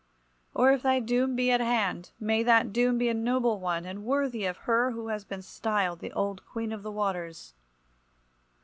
Or, if thy doom be at hand, may that doom be a noble one, and worthy of her who has been styled the Old Queen of the waters!